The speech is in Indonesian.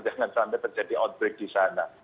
jangan sampai terjadi outbreak di sana